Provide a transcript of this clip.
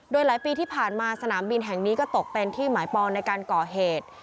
โดยหลายปีที่ผ่านมาสนามบินแห่งนี้ก็ตกเป็นที่หมายปอนในการก่อเหตุ